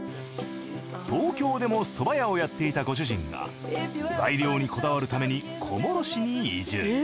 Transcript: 東京でもそば屋をやっていたご主人が材料にこだわるために小諸市に移住。